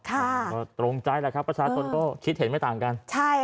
ก็ตรงใจแล้วครับประชาชนก็คิดเห็นไม่ต่างกัน